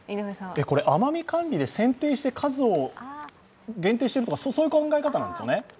甘み管理で選定して数を限定してるとかそういう考え方なんですかね？